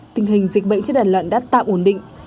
tình hình dịch bệnh trước đàn luận đã tạm ổn định